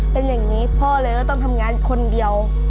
เป็นอย่างนี้พ่อเลยก็ต้องทำงานคนเดียว